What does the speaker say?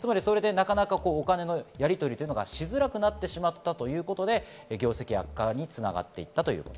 なかなかお金のやりとりがしづらくなってしまったということで、業績悪化に繋がって行ったということ。